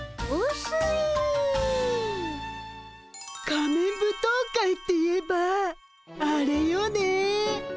仮面舞踏会っていえばあれよね。